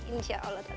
insya allah tante